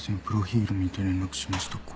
プロフィール見て連絡しました」